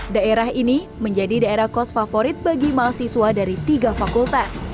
daerah ini menjadi daerah kos favorit bagi mahasiswa dari tiga fakultas